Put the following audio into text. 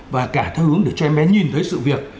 và cả theo hướng để cho em bé nhìn thấy sự việc